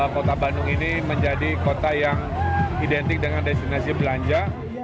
kota bandung ini menjadi kota yang identik dengan destinasi belanja